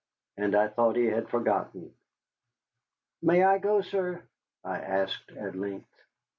And I thought he had forgotten. "May I go, sir?" I asked at length.